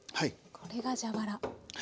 これが蛇腹。